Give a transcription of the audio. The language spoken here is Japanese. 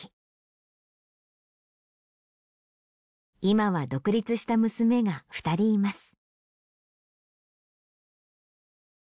今は独立した娘が２人います。